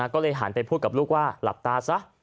ก็เลยหันไปพูดกับลูกว่าหลับตาซะ